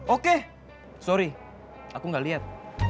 oke sorry aku gak lihat